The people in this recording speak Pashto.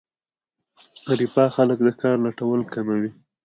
رفاه خلک د کار لټولو کموي.